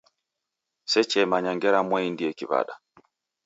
Sechemanya ngera mwaendiye kiw'ada